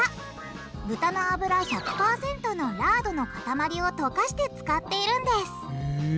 豚のあぶら１００％のラードのかたまりを溶かして使っているんですへぇ。